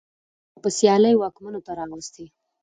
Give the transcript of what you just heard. او په سيالۍ واکمنو ته راوستې.